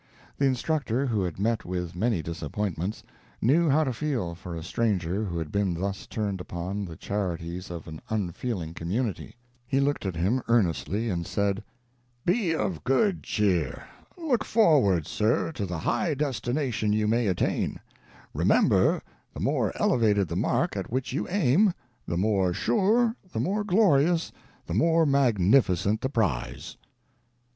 The instructor, who had met with many disappointments, knew how to feel for a stranger who had been thus turned upon the charities of an unfeeling community. He looked at him earnestly, and said: "Be of good cheer look forward, sir, to the high destination you may attain. Remember, the more elevated the mark at which you aim, the more sure, the more glorious, the more magnificent the prize."